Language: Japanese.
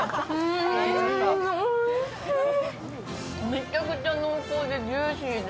めちゃくちゃ濃厚でジューシーで。